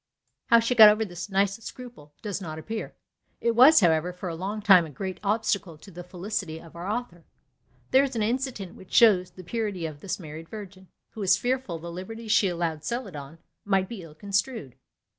How she got over this nice scruple does not appear; it was, however, for a long time a great obstacle to the felicity of our author. There is an incident which shows the purity of this married virgin, who was fearful the liberties she allowed Celadon might be ill construed.